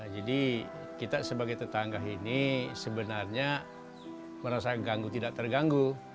jadi kita sebagai tetangga ini sebenarnya merasa ganggu tidak terganggu